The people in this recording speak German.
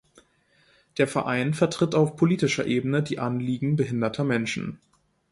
Der Verein vertritt auf politischer Ebene die Anliegen behinderter Menschen.